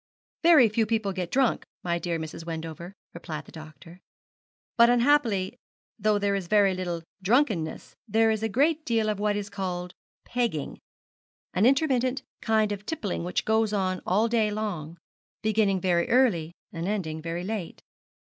'Very few people get drunk, my dear Mrs. Wendover,' replied the doctor; 'but, unhappily, though there is very little drunkenness, there is a great deal of what is called "pegging" an intermittent kind of tippling which goes on all day long, beginning very early and ending very late.